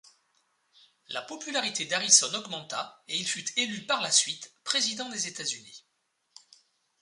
La popularité d'Harrison augmenta et il fut élu par la suite président des États-Unis.